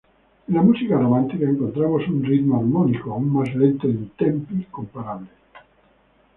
En la música romántica encontramos un ritmo armónico aún más lento en "tempi" comparables.